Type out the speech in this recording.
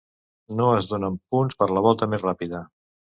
No es donen punts per la volta més ràpida.